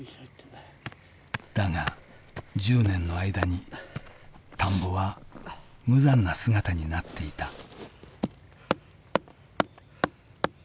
だが１０年の間に田んぼは無残な姿になっていた。